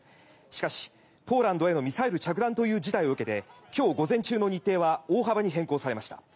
しかし、ポーランドへのミサイル着弾という事態を受けて今日午前中の日程は大幅に変更されました。